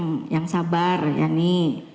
dia bilang yang sabar yani